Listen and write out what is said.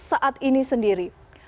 saat ini sendiri